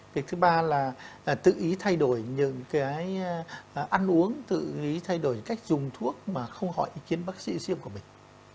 việc thứ ba là tự ý thay đổi những cái ăn uống tự ý thay đổi cách dùng thuốc mà không hỏi ý kiến bác sĩ riêng của mình